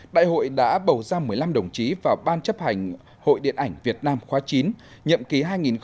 đại hội đã bầu ra một mươi năm đồng chí vào ban chấp hành hội điện ảnh việt nam khóa chín nhậm ký hai nghìn hai mươi hai nghìn hai mươi năm